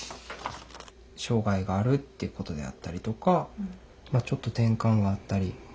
障害があるっていうことであったりとかちょっとてんかんがあったり。